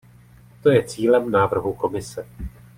To je cílem návrhu Komise.